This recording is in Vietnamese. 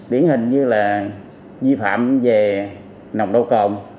biển hình như là vi phạm về nồng đô cộng